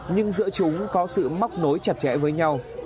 nhưng giữa chúng có sự móc nối chặt chẽ với nhau